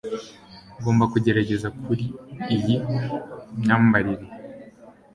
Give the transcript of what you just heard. Ngomba kugerageza kuri iyi myambarire